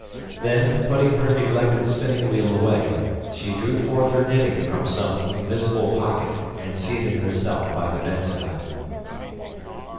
Then, putting her neglected spinning wheel away, she drew forth her knitting from some invisible pocket and seated herself by the bedside.